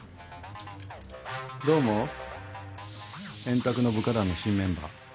どう思う？円卓の部下団の新メンバー。